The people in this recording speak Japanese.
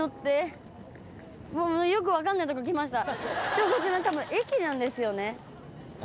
でもこちらたぶん駅なんですよね。